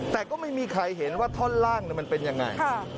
แต่ก็ไม่มีใครเห็นว่าท่อนล่างมันเป็นยังไง